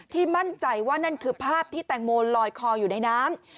มั่นใจว่านั่นคือภาพที่แตงโมลอยคออยู่ในน้ำ